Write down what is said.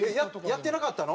やってなかったの？